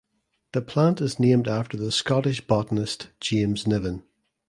The plant is named after the Scottish botanist James Niven.